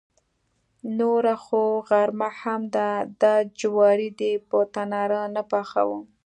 نوره خو غرمه هم ده، دا جواری دې په تناره نه پخاوه.